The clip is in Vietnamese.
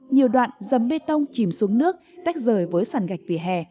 nhiều đoạn dầm bê tông chìm xuống nước tách rời với sàn gạch vỉa hè